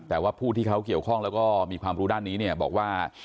แต่ว่าผู้ที่เขาเกี่ยวข้องแล้วก็มีความรู้ด้านนี้เนี่ยบอกว่า